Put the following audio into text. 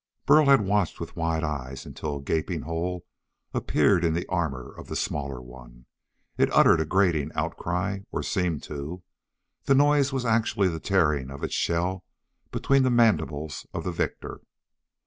Burl had watched with wide eyes until a gaping hole appeared in the armor of the smaller one. It uttered a grating outcry or seemed to. The noise was actually the tearing of its shell between the mandibles of the victor.